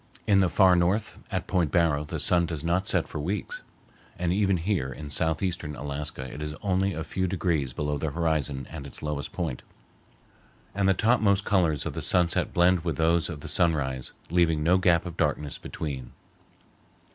In the Far North, at Point Barrow, the sun does not set for weeks, and even here in southeastern Alaska it is only a few degrees below the horizon at its lowest point, and the topmost colors of the sunset blend with those of the sunrise, leaving no gap of darkness between.